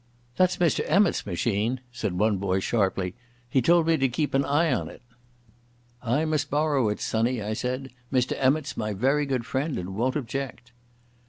"That's Mr Emmott's machine," said one boy sharply. "He told me to keep an eye on it." "I must borrow it, sonny," I said. "Mr Emmott's my very good friend and won't object."